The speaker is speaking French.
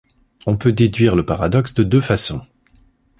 On peut déduire le paradoxe de deux façons.